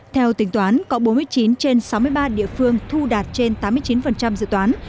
theo tính toán có bốn mươi chín trên sáu mươi ba địa phương thu đạt trên tám mươi chín dự toán